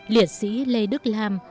liệt sĩ lê đức lam